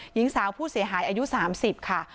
หญิงสาวผู้เสียหายอายุ๓๐ค่ะ